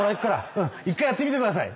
１回やってみてください。